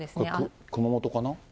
熊本かな？